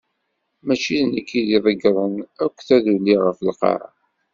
Mačči d nekk i iḍeggren akk taduli ɣef lqaɛa.